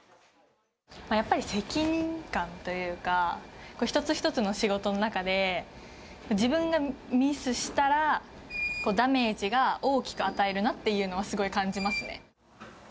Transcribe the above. やっぱり責任感というか、一つ一つの仕事の中で、自分がミスしたら、ダメージが大きく与えるなっていうのはすごい感じますね。